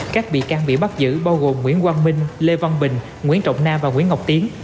các bị can bị bắt giữ bao gồm nguyễn quang minh lê văn bình nguyễn trọng nam và nguyễn ngọc tiến